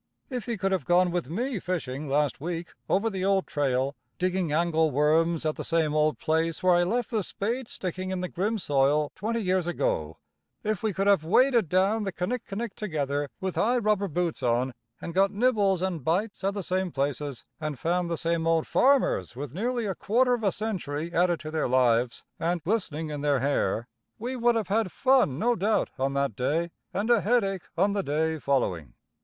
If he could have gone with me fishing last week over the old trail, digging angle worms at the same old place where I left the spade sticking in the grim soil twenty years ago if we could have waded down the Kinnickinnick together with high rubber boots on, and got nibbles and bites at the same places, and found the same old farmers with nearly a quarter of a century added to their lives and glistening in their hair, we would have had fun no doubt on that day, and a headache on the day following.